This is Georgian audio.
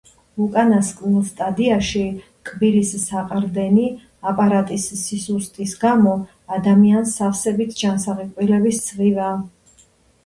უკანასკნელ სტადიაში კბილის საყრდენი აპარატის სისუსტის გამო ადამიანს სავსებით ჯანსაღი კბილები სცვივა.